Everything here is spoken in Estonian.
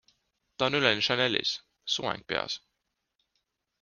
Ta oli üleni Chanelis, soeng peas.